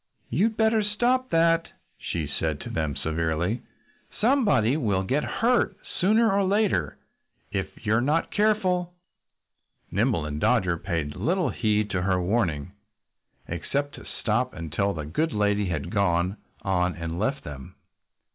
"You'd better stop that!" she said to them severely. "Somebody will get hurt sooner or later if you're not careful." Nimble and Dodger paid little heed to her warning, except to stop until the good lady had gone on and left them.